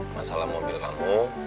masalah mobil kamu